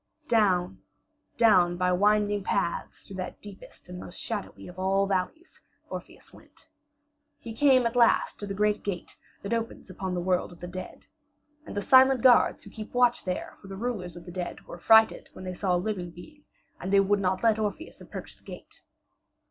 Down, down by winding paths through that deepest and most shadowy of all valleys Orpheus went. He came at last to the great gate that opens upon the world of the dead. And the silent guards who keep watch there for the rulers of the dead were affrighted when they saw a living being, and they would not let Orpheus approach the gate.